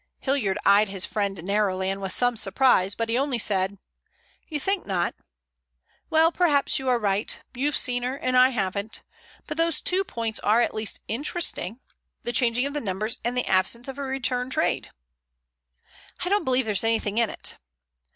Hilliard eyed his friend narrowly and with some surprise, but he only said: "You think not? Well, perhaps you are right. You've seen her and I haven't. But those two points are at least interesting—the changing of the numbers and the absence of a return trade." "I don't believe there's anything in it."